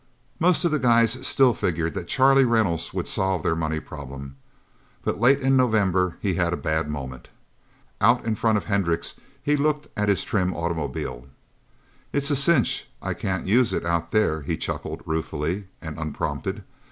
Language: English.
Most of the guys still figured that Charlie Reynolds would solve their money problem. But in late November he had a bad moment. Out in front of Hendricks', he looked at his trim automobile. "It's a cinch I can't use it Out There," he chuckled ruefully and unprompted.